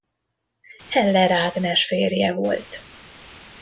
Heller Ágnes férje volt.